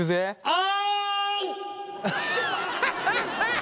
あ。